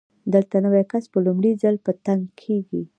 دلته نوی کس په لومړي ځل په تنګ کېږي.